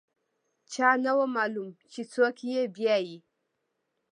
چا نه و معلوم چې څوک یې بیايي.